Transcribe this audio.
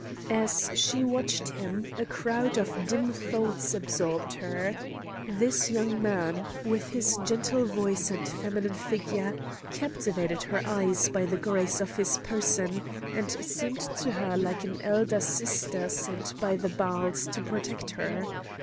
As she watched him a crowd of dim thoughts absorbed her. This young man, with his gentle voice and feminine figure, captivated her eyes by the grace of his person, and seemed to her like an elder sister sent by the Baals to protect her.